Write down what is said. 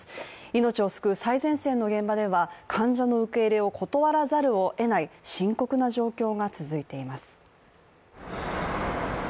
命を救う最前線の現場では患者の受け入れを断らざるを得ない深刻な状況が続いています。